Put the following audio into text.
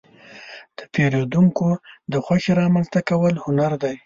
د پیرودونکو د خوښې رامنځته کول هنر دی.